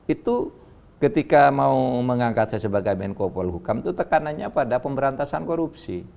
itu ketika mau mengangkat saya sebagai menko polhukam itu tekanannya pada pemberantasan korupsi